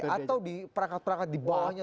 atau di perangkat perangkat di bawahnya